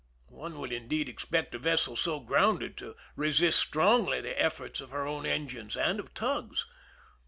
One would indeed expect a vessel so grounded to resist strongly the efforts of her own engines and of tugs.